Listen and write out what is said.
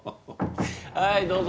はいどうぞ。